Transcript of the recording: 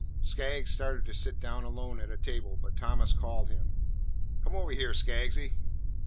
Skaggs started to sit down alone at a table, but Thomas called him, "Come over here, Skaggsy."